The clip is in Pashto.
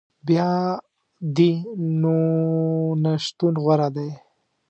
بیا دي نو نه شتون غوره دی